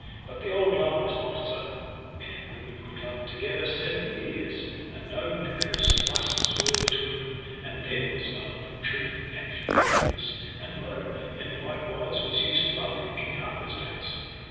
But the old love was not so; men and women could love together seven years, and no licours lusts were between them, and then was love, truth, and faithfulness: and lo, in like wise was used love in King Arthur's days.